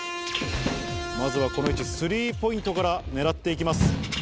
まずはこの位置、スリーポイントから狙っていきます。